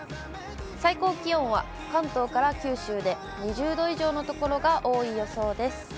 最高気温は、関東から九州で２０度以上の所が多い予想です。